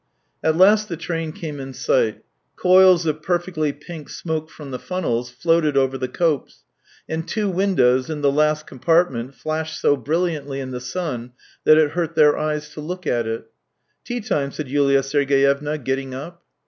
At last the train came in sight. Coils of perfectly pink smoke from the funnels floated over the copse, and two windows in the last compartment flashed so brilliantly in the sun, that it hurt their eyes to look at it. " Tea time !" said Yulia Sergey evna, getting up.